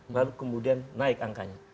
lalu kemudian naik angkanya